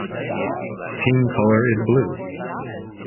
Team colour is blue.